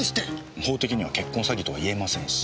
法的には結婚詐欺とはいえませんし。